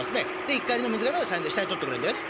「一荷入りの水がめを３円で下に取ってくれるんだよね？」。